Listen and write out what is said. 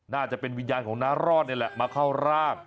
น่าจะเป็นวิญญาณของน้ารอดนี่แหละมาเข้าร่าง